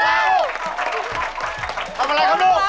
อุ๊ยยังไม่สดนะ